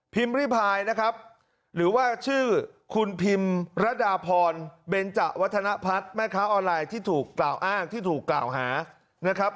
ริพายนะครับหรือว่าชื่อคุณพิมรดาพรเบนจะวัฒนพัฒน์แม่ค้าออนไลน์ที่ถูกกล่าวอ้างที่ถูกกล่าวหานะครับ